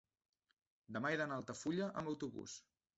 demà he d'anar a Altafulla amb autobús.